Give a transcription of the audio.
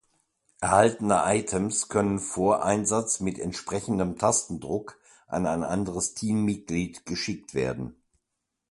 Erhaltene Items können vor Einsatz mit entsprechendem Tastendruck an ein anderes Teammitglied geschickt werden.